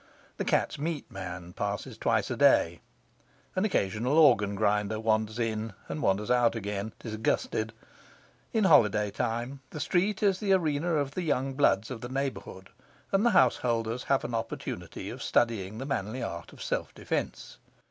The cat's meat man passes twice a day. An occasional organ grinder wanders in and wanders out again, disgusted. In holiday time the street is the arena of the young bloods of the neighbourhood, and the householders have an opportunity of studying the manly art of self defence.